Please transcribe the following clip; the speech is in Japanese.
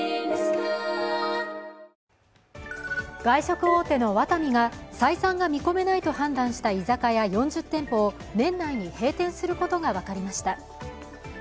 外食大手のワタミが採算が見込めないと判断した居酒屋４０店舗を年内に閉店することが分かりました。